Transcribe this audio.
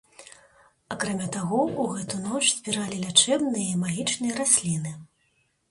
Акрамя таго, у гэту ноч збіралі лячэбныя і магічныя расліны.